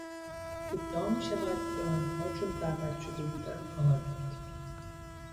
ادعا میشود که آنها چون دعوت شده بودند آمدند.